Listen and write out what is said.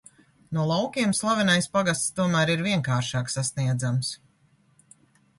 No laukiem slavenais pagasts tomēr ir vienkāršāk sasniedzams.